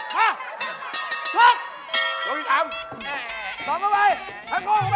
พักโค้งเข้าไปจนจน